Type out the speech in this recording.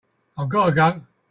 I've got to go.